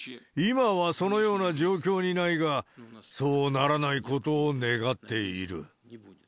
今はそのような状況にないが、そうならないことを願っている。